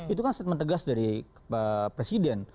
itu kan set mentegas dari presiden